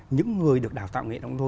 những người được đào tạo nghệ đồng thôi